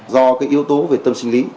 do cái yếu tố về tâm sinh lý